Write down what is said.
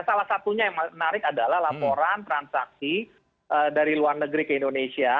salah satunya yang menarik adalah laporan transaksi dari luar negeri ke indonesia